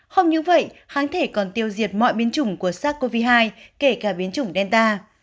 không như vậy kháng thể còn tiêu diệt mọi biến chủng của sars cov hai kể cả biến chủng delta